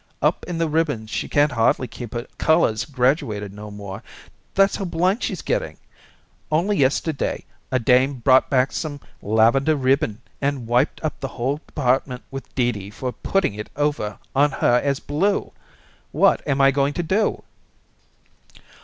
Up in the ribbons she can't hardly keep her colors graduated no more, that's how blind she's getting. Only yesterday a dame brought back some lavender ribbon and wiped up the whole department with Dee Dee for putting it over on her as blue. What am I going to do?"